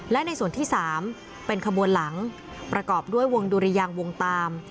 และในส่วนที่๓เป็นขบวนหลังประกอบด้วยวงดุริยางวงตาม